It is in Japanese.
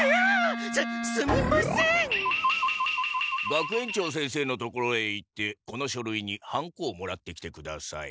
学園長先生の所へ行ってこの書類にハンコをもらってきてください。